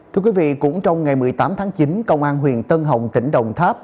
thưa quý vị cũng trong ngày một mươi tám tháng chín công an huyện tân hồng tỉnh đồng tháp